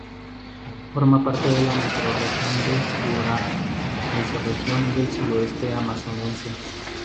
Forma parte de la microrregión de Juruá, mesorregión del Sudoeste Amazonense.